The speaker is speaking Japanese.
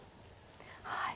はい。